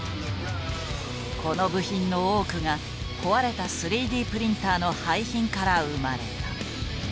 この部品の多くが壊れた３Ｄプリンターの廃品から生まれた。